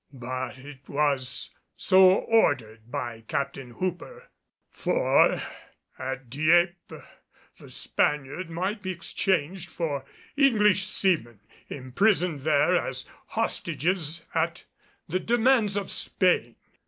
But it was so ordered by Captain Hooper, for at Dieppe the Spaniard might be exchanged for English seamen imprisoned there as hostages at the demands of Spain.